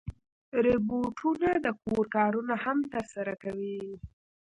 روبوټونه د کور کارونه هم ترسره کوي.